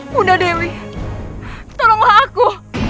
bunda dewi tolonglah aku